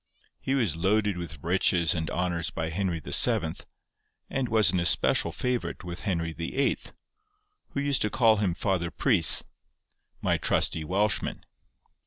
He was loaded with riches and honours by Henry VII., and was an especial favourite with Henry VIII., who used to call him Father Preecc, my trusty Welshman.